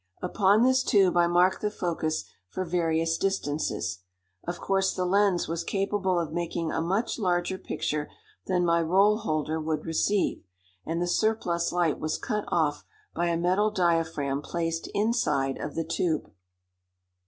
Upon this tube I marked the focus for various distances. Of course the lens was capable of making a much larger picture than my roll holder would receive, and the surplus light was cut off by a metal diaphragm placed inside of the tube.